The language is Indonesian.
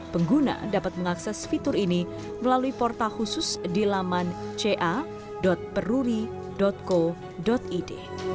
pengguna dapat mengakses fitur ini melalui portal khusus di laman ca peruri co id